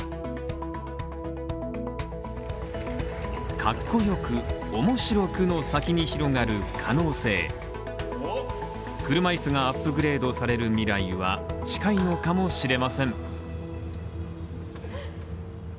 かっこよく面白くの先に広がる可能性、車椅子がアップグレードされる未来は近いのかもしれません。